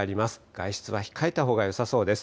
外出は控えたほうがよさそうです。